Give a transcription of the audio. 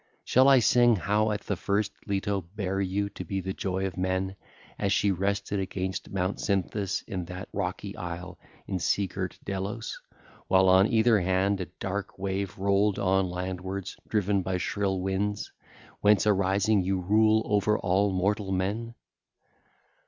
Shall I sing how at the first Leto bare you to be the joy of men, as she rested against Mount Cynthus in that rocky isle, in sea girt Delos—while on either hand a dark wave rolled on landwards driven by shrill winds—whence arising you rule over all mortal men?